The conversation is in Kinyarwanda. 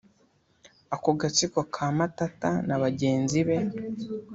Ako gatsiko ka Matata na bagenzi be